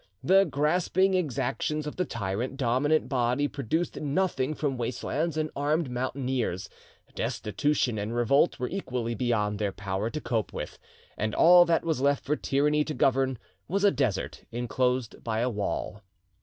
The grasping exactions of the tyrant dominant body produced nothing from waste lands and armed mountaineers; destitution and revolt were equally beyond their power to cope with; and all that was left for tyranny to govern was a desert enclosed by a wall.